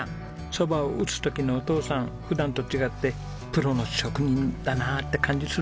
蕎麦を打つ時のお父さん普段と違ってプロの職人だなって感じする？